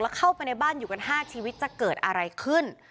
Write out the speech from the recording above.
เข้าไปในบ้านอยู่กัน๕ชีวิตจะเกิดอะไรขึ้น